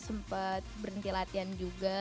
sempat berhenti latihan juga